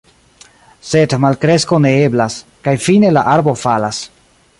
Sed malkresko ne eblas. Kaj fine, la arbo falas.